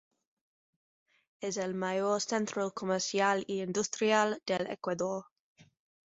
Es el mayor centro comercial e industrial del Ecuador.